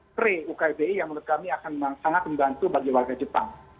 pre ukbi yang menurut kami akan sangat membantu bagi warga jepang